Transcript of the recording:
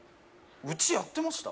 うちやってました？